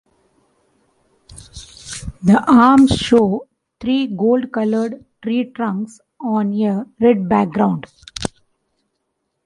The arms show three gold-colored tree trunks on a red background.